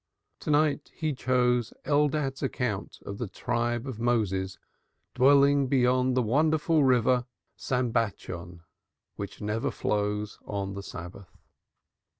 To night he chose Eldad's account of the tribe of Moses dwelling beyond the wonderful river, Sambatyon, which never flows on the Sabbath.